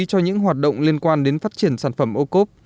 cho những hoạt động liên quan đến phát triển sản phẩm ô cốp